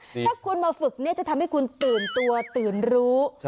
ถ้าคุณมาฝึกจะทำให้คุณตื่นตัวตื่นรู้